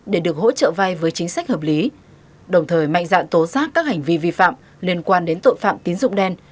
để được hỗ trợ vai với chính sách hợp lý đồng thời mạnh dạng tố giác các hành vi vi phạm liên quan đến tội phạm tín dụng đen